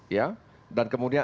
ya dan kemudian